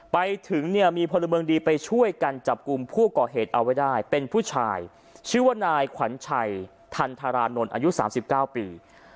ไปถึงเนี่ยมีพลเมืองดีไปช่วยกันจับกลุ่มผู้ก่อเหตุเอาไว้ได้เป็นผู้ชายชื่อว่านายขวัญชัยทันทรานนท์อายุ๓๙ปี